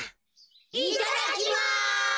いただきます。